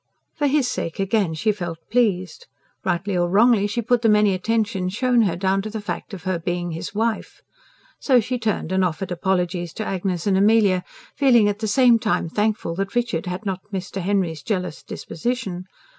For his sake, again, she felt pleased; rightly or wrongly she put the many attentions shown her down to the fact of her being his wife. So she turned and offered apologies to Agnes and Amelia, feeling at the same time thankful that Richard had not Mr. Henry's jealous disposition.